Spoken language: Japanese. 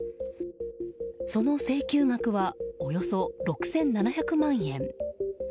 その請求額はおよそ６７００万円。